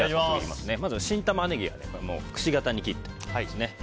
まずは新タマネギをくし形に切ってあります。